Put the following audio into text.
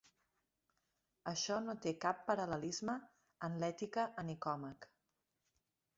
Això no té cap paral·lelisme en l'"Ètica a Nicòmac".